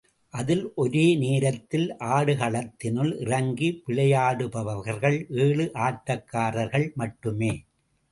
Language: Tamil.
அதில் ஒரே நேரத்தில் ஆடுகளத்தினுள் இறங்கி விளையாடுபவர்கள் ஏழு ஆட்டக்காரர்கள மட்டுமே.